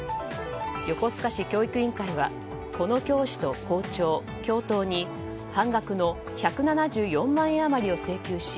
横須賀市教育委員会はこの教師と校長、教頭に半額の１７４万円余りを請求し